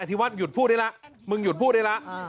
ที่วัดหยุดพูดได้แล้วมึงหยุดพูดได้แล้ว